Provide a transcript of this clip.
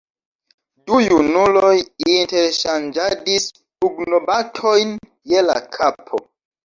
Du junuloj interŝanĝadis pugnobatojn je la kapo.